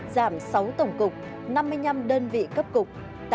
giảm sáu tổng cục năm mươi năm đơn vị cấp cục